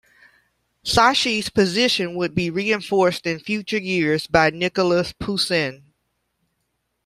Sacchi's position would be reinforced in future years by Nicolas Poussin.